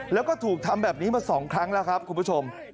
แล้วก็ถูกทำแบบนี้มา๒ครั้งแล้วครับคุณผู้ชม